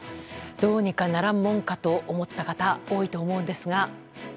どうにかならんもんかと思った方多いと思うんですが。